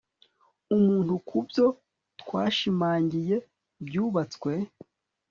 umuntu kubyo twashimangiye byubatswe